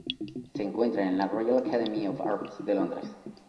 Se encuentra en la Royal Academy of Arts de Londres.